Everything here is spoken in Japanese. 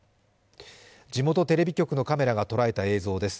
地元テレビ局のカメラが捉えた映像です。